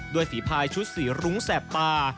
ด้วยฝีพายชุดสีรุ้งแสบปลา